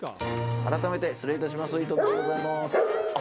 改めて失礼いたします。